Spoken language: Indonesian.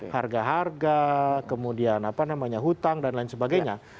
harga harga kemudian hutang dan lain sebagainya